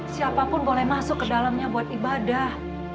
siapapun boleh masuk ke dalamnya buat ibadah